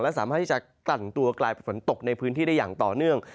และสามารถที่จะกลั่นตัวกลายเป็นฝนตกในพื้นที่ได้อย่างต่อเนื่อง